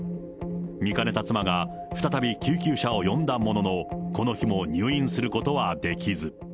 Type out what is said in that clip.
見かねた妻が再び救急車を呼んだものの、この日も入院することはできず。